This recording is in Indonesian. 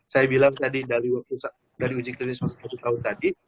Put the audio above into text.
saya bilang tadi dari uji klinis masih satu tahun tadi